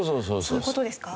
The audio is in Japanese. そういう事ですか。